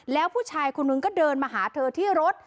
แล้วผู้ชายคนนึงก็เดินมาหาเธอที่รถ